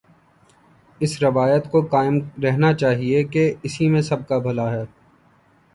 اس روایت کو قائم رہنا چاہیے کہ اسی میں سب کابھلا ہے۔